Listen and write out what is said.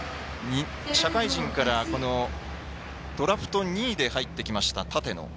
社会人からドラフト２位で入ってきた立野。